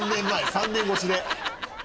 ３年越しで。